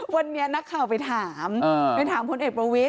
วันนี้นักข่าวไปถามไปถามพลเอกประวิทย